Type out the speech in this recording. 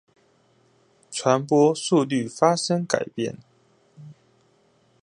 傳播速率發生改變